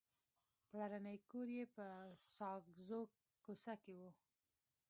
پلرنی کور یې په ساګزو کوڅه کې و.